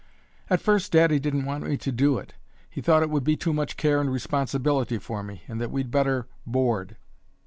"At first daddy didn't want me to do it. He thought it would be too much care and responsibility for me, and that we'd better board.